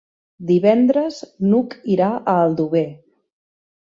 Divendres n'Hug irà a Aldover.